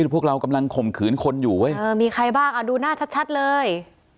พวกเรากำลังข่มขืนคนอยู่มีใครบ้างดูหน้าชัดเลย